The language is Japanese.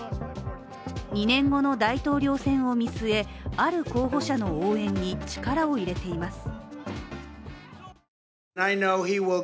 ２年後の大統領選を見据え、ある候補者の応援に力を入れています。